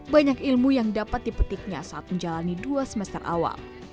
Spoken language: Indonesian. banyak ilmu yang dapat dipetiknya saat menjalani dua semester awal